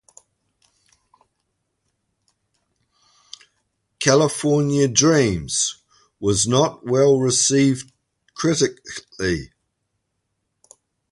"California Dreams" was not well received critically.